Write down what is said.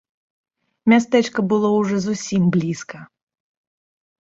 Мястэчка было ўжо зусім блізка.